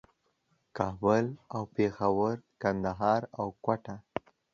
کابل او پېښور، کندهار او کوټه